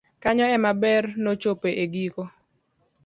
kanyo ema ber nochopo e giko